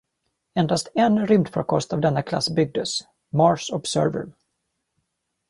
Endast en rymdfarkost av denna klass byggdes: Mars Observer.